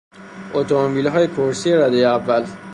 اتومبیلهای کورسی ردهی اول